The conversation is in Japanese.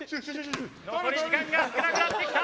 残り時間が少なくなってきた！